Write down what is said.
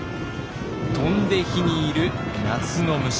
飛んで火に入る夏の虫。